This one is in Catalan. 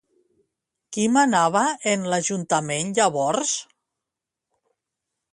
Qui manava en l'ajuntament llavors?